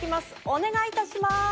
お願い致します！